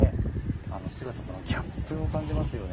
姿とのギャップを感じますよね。